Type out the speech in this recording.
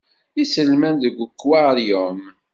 Iselman deg ukwaṛyum.